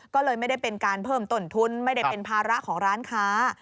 ก็เลยไม่ได้เป็นการเพิ่มต้นทุนไม่ได้เป็นภาระของร้านค้า